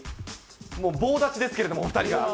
もう棒立ちですけれども、お２人は。